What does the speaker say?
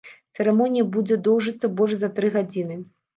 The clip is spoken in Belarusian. Цырымонія будзе доўжыцца больш за тры гадзіны.